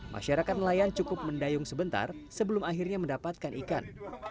masyarakat nelayan cukup mendayung sebentar sebelum akhirnya mendapatkan ikan